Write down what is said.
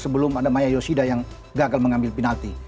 sebelum ada maya yoshida yang gagal mengambil penalti